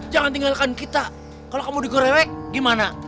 jangan tinggalkan kita kalau kamu digorewek gimana